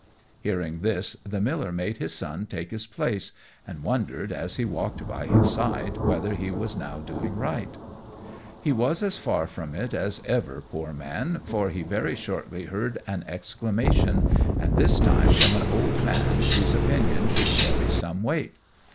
Hearing this the miller made his son take his place, and wondered, as he walked by his side, whether he was now doing right. He was as far from it as ever, poor man, for he very shortly heard an exclamation, and this time from an old man, whose opinion should carry some weight.